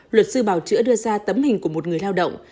luật sư bảo chữa đưa ra tấm hình của một người lao động